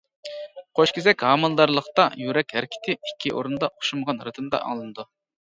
قوشكېزەك ھامىلىدارلىقتا يۈرەك ھەرىكىتى ئىككى ئورۇندا ئوخشىمىغان رىتىمدا ئاڭلىنىدۇ.